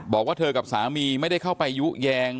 บอกว่าเธอกับสามีไม่ได้เข้าไปยุแยง